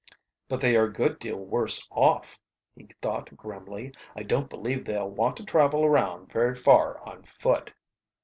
"But they are a good deal worse off," he thought grimly. "I don't believe they'll want to travel around very far on foot."